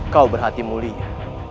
kau berhati mulia